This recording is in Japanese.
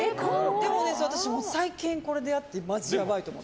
でも私、最近これ出会ってマジやばいと思って。